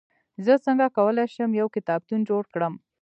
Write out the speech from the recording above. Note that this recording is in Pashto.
زه څنګه کولای سم، یو کتابتون جوړ کړم؟